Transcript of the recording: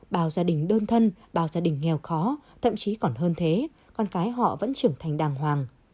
bao gia đình đơn thân bao gia đình nghèo khó thậm chí còn hơn thế con cái họ vẫn trưởng thành đàng hoàng